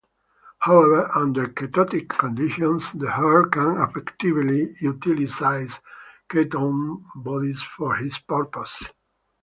However, under ketotic conditions, the heart can effectively utilize ketone bodies for this purpose.